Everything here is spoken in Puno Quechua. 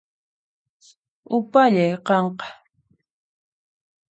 Upallay qanqa